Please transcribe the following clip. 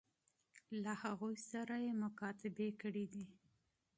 له هغوی سره یې مکاتبې کړي دي.